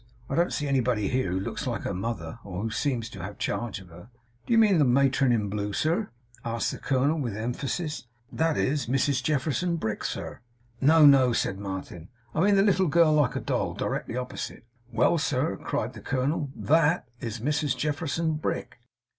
I don't see anybody here, who looks like her mother, or who seems to have charge of her.' 'Do you mean the matron in blue, sir?' asked the colonel, with emphasis. 'That is Mrs Jefferson Brick, sir.' 'No, no,' said Martin, 'I mean the little girl, like a doll; directly opposite.' 'Well, sir!' cried the colonel. 'THAT is Mrs Jefferson Brick.